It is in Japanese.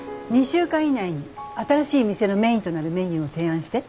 ２週間以内に新しい店のメインとなるメニューを提案して。